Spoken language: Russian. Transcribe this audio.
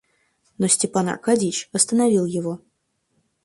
Но Степан Аркадьич остановил его.